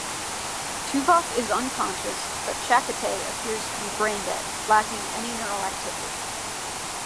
Tuvok is unconscious, but Chakotay appears to be brain dead, lacking any neural activity.